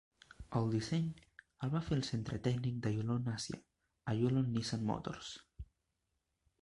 El disseny el va fer el centre tècnic de Yulon Àsia a Yulon-Nissan Motors.